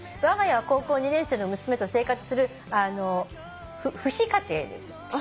「わが家は高校２年生の娘と生活する父子家庭です」